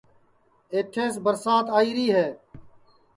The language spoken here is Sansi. ایٹھیس برسات آئیری ہے